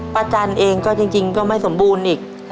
จันเองก็จริงก็ไม่สมบูรณ์อีก